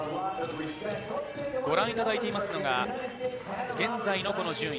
ご覧いただいているのが、現在の順位。